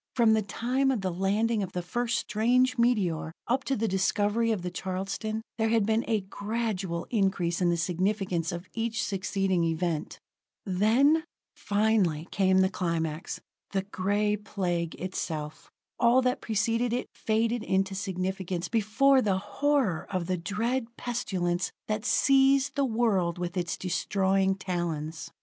From the time of the landing of the first strange meteor, up to the discovery of the Charleston, there had been a gradual increase in the significance of each succeeding event. Then finally came the climax: the Gray Plague itself. All that preceded it faded into significance before the horror of the dread pestilence that seized the world with its destroying talons.